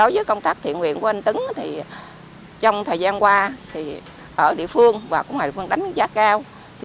với công tác thiện nguyện của anh tuấn thì trong thời gian qua thì ở địa phương và của ngoài địa phương đánh giá cao